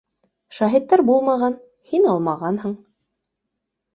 Шаһиттар булмаған, һин алмағанһың